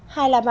hai là mã